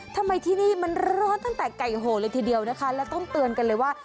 ทำไมที่นี่มันร้อนตั้งแต่ไก่โหเลยทีเดียวนะคะและต้องเตือนกันเลยว่า